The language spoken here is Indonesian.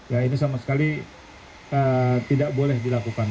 ya ini sama sekali tidak boleh dilakukan